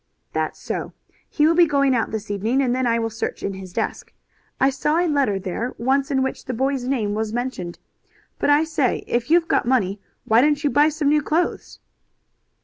"That's so. He will be going out this evening, and then I will search in his desk. I saw a letter there once in which the boy's name was mentioned. But I say, if you've got money why don't you buy some new clothes?"